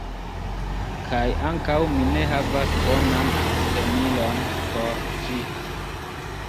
kaj ankaŭ mi ne havas bonan tenilon por ĝi.